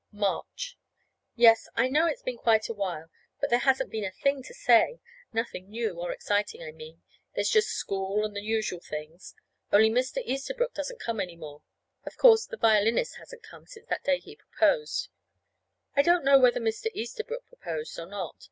March. Yes, I know it's been quite a while, but there hasn't been a thing to say nothing new or exciting, I mean. There's just school, and the usual things; only Mr. Easterbrook doesn't come any more. (Of course, the violinist hasn't come since that day he proposed.) I don't know whether Mr. Easterbrook proposed or not.